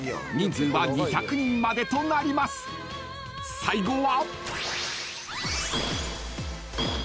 ［最後は］